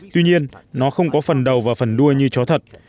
tuy nhiên nó không có phần đầu và phần đua như chó thật